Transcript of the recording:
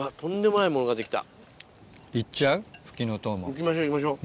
いきましょういきましょう。